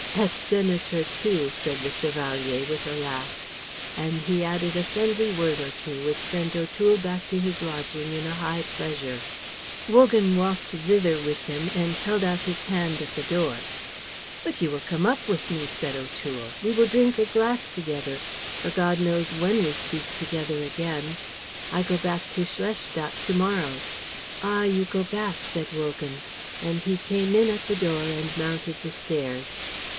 "Et senator too," said the Chevalier, with a laugh; and he added a friendly word or two which sent O'Toole back to his lodging in a high pleasure. Wogan walked thither with him and held out his hand at the door. "But you will come up with me," said O'Toole. "We will drink a glass together, for God knows when we speak together again. I go back to Schlestadt to morrow." "Ah, you go back," said Wogan; and he came in at the door and mounted the stairs.